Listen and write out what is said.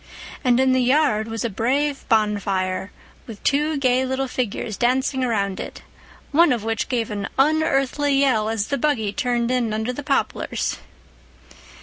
And in the yard was a brave bonfire with two gay little figures dancing around it, one of which gave an unearthly yell as the buggy turned in under the poplars.